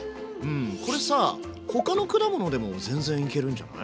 これさあ他の果物でも全然いけるんじゃない？